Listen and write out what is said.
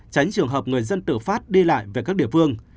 tránh trường hợp người dân tự phát đi lại về các địa phương